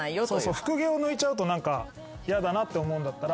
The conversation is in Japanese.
福毛を抜いちゃうとやだなって思うんだったら。